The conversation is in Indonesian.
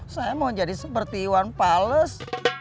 saya mau jadi seperti iwan pales